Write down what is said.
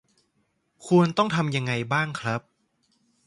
ควรต้องทำยังไงบ้างครับ?